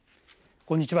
こんにちは。